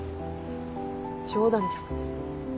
冗談じゃん。